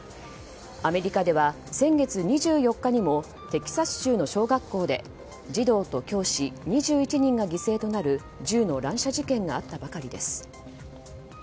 アメリカでは先月２４日にもテキサス州の小学校で児童と教師２１人が犠牲となる銃の乱射事件があったばかりです。